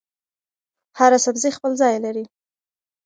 هر سبزي خپل ځای لري.